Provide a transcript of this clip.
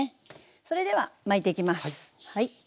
それでは巻いていきます。